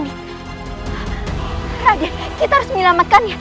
raja kita harus menyelamatkannya